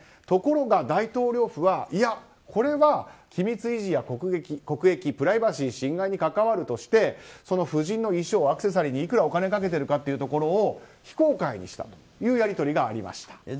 ところが、大統領府はいや、これは機密維持や国益プライバシー侵害に関わるとして夫人の衣装、アクセサリーにいくらお金をかけてるかを非公開にしたというやり取りがありました。